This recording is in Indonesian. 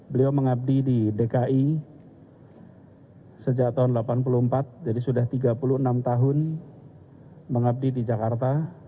beliau mengabdi di dki sejak tahun seribu sembilan ratus delapan puluh empat jadi sudah tiga puluh enam tahun mengabdi di jakarta